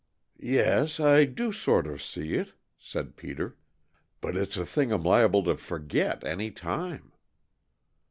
"Yes, I do sort of see it," said Peter, "but it's a thing I'm liable to forget any time."